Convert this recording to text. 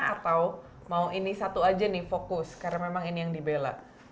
atau mau ini satu aja nih fokus karena memang ini yang dibela